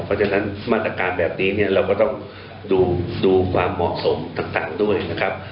เพราะฉะนั้นมาตรการแบบนี้เนี่ยเราก็ต้องดูความเหมาะสมต่างด้วยนะครับ